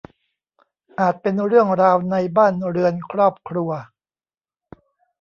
อาจเป็นเรื่องราวในบ้านเรือนครอบครัว